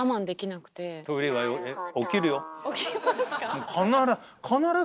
起きますか？